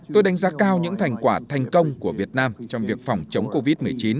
tôi đánh giá cao những thành quả thành công của việt nam trong việc phòng chống covid một mươi chín